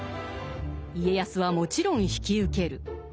家康はもちろん引き受ける。